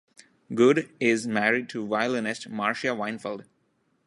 Goode is married to violinist Marcia Weinfeld.